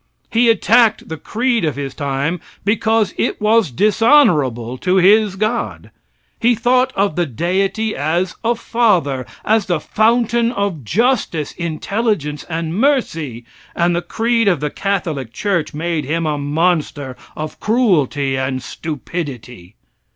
He attacked the creed of his time because it was dishonorable to his God. He thought of the Deity as a father, as the fountain of justice, intelligence and mercy, and the creed of the Catholic church made him a monster of cruelty and stupidity.